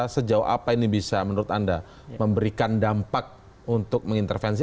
sejauh apa ini bisa menurut anda memberikan dampak untuk mengintervensi